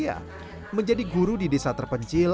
ya menjadi guru di desa terpencil